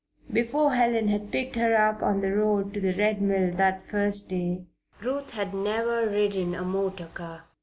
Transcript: Before Helen had picked her up on the road to the Red Mill that first day, Ruth had never ridden in a motor car.